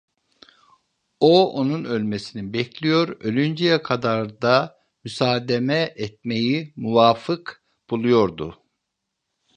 O, onun ölmesini bekliyor, ölünceye kadar da müsademe etmeyi muvafık buluyordu.